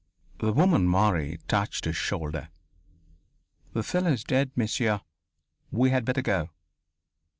The woman Marie touched his shoulder. "The fellow's dead, m'sieur. We had better go."